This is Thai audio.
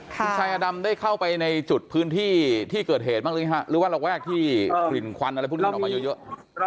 คุณชายอดำได้เข้าไปในจุดพื้นที่ที่เกิดเหตุบ้างหรือฮะหรือว่าระแวกที่กลิ่นควันอะไรพวกนี้มันออกมาเยอะ